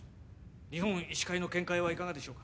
日本医師会の見解はいかがでしょうか？